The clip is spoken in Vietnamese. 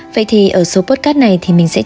vậy thì ở số podcast này thì mình sẽ chờ